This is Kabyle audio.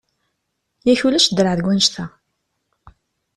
Yak ulac draɛ deg wannect-a!